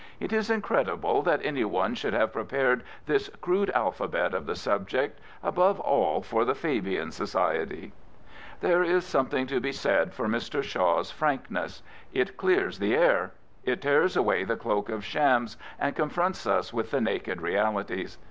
It is incredible that anyone should have prepared this crude alphabet of the subject, above all for the Fabian Society.'' There is some thing to be said for Mr. Shaw's frankness. It clears the air. It tears away the cloak of shams, and con fronts us with the naked realities.